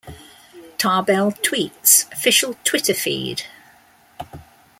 Tarbell Tweets, Official Twitter Feed.